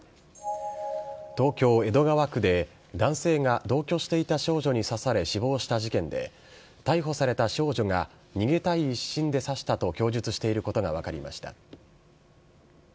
東京・江戸川区で男性が同居していた少女に刺され死亡した事件で、逮捕された少女が、逃げたい一心で刺したと供述していることが分かりました。